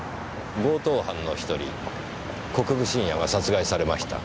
強盗犯の１人国分信也が殺害されました。